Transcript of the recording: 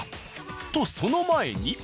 とその前に。